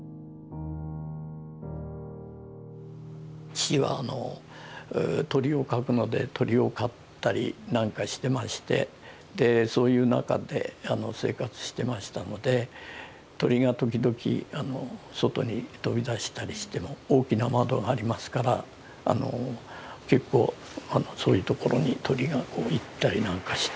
父は鳥を描くので鳥を飼ったりなんかしてましてそういう中で生活してましたので鳥が時々外に飛び出したりしても大きな窓がありますから結構そういうところに鳥が行ったりなんかして。